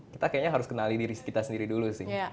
kita kayaknya harus kenali diri kita sendiri dulu sih